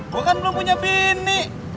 gue kan belum punya bini